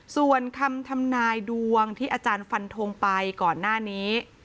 ส่วนคำทำนายดวงที่อาจารย์ฟันทงไปก่อนหน้านี้